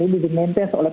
ini dimentes oleh